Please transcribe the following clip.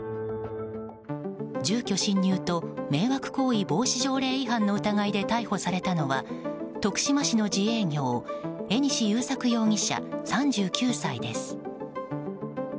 住居侵入と迷惑行為防止条例違反の疑いで逮捕されたのは徳島市の自営業江西祐作容疑者、３９歳です。